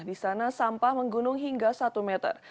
di sana sampah menggunung hingga satu meter